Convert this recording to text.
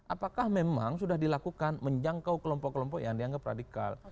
apakah memang sudah dilakukan menjangkau kelompok kelompok yang dianggap radikal